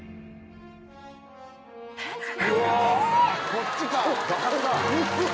・そっちか。